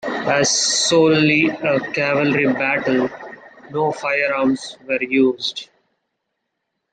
As solely a cavalry battle, no firearms were used.